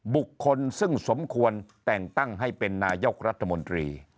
บุคคลซึ่งสมควรแต่งตั้งให้เป็นนายกรัฐมนตรี